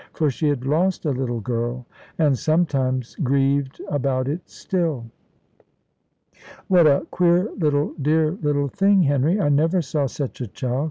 For she had lost a little girl, and sometimes grieved about it still. "What a queer little, dear little thing, Henry! I never saw such a child.